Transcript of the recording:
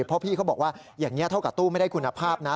เพราะพี่เขาบอกว่าอย่างนี้เท่ากับตู้ไม่ได้คุณภาพนะ